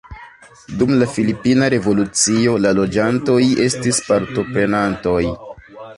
Dum la filipina revolucio la loĝantoj estis partoprenantoj.